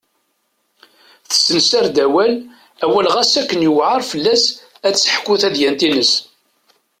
Tessensar-d awal awal ɣas akken yuɛer fell-as ad d-teḥku tadyant-is.